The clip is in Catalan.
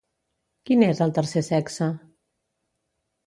Quin és el tercer sexe?